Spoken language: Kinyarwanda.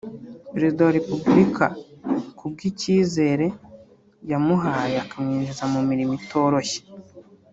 Perezida wa Repubulika ku bw’ikizere yamuhaye akamwinjiza mu mirimo itoroshye